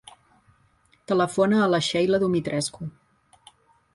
Telefona a la Sheila Dumitrescu.